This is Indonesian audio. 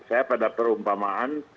saya pada perumpamaan